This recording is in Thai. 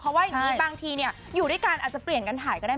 เพราะว่าอย่างนี้บางทีอยู่ด้วยกันอาจจะเปลี่ยนกันถ่ายก็ได้